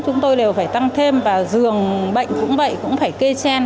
chúng tôi đều phải tăng thêm và giường bệnh cũng vậy cũng phải kê chen